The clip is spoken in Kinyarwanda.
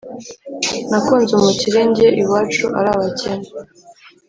nakunze umukire njye iwacu ari abakene…